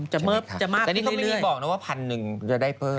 จะเมิบจะมากขึ้นเรื่อย